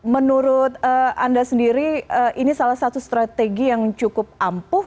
menurut anda sendiri ini salah satu strategi yang cukup ampuh